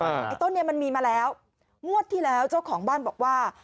ไอ้ต้นเนี้ยมันมีมาแล้วงวดที่แล้วเจ้าของบ้านบอกว่า